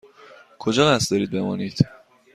کجا قصد دارید بمانید؟